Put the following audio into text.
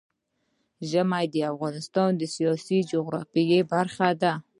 ژمی د افغانستان د سیاسي جغرافیه برخه ده.